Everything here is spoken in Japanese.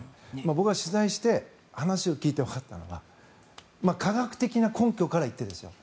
僕が取材して話を聞いてわかったのは科学的な根拠から言ってですよ